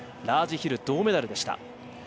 ラージヒル銅メダルでした。